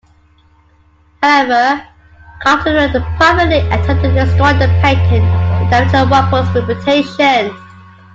However, Carteret privately attempted to destroy the patent to damage Walpole's reputation.